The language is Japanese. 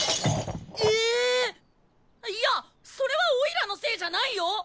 いやそれはオイラのせいじゃないよ！